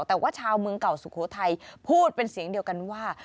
แต่ว่าชาวเมืองเก่าสุโขทัยพูดเป็นเสียงเดียวกันว่า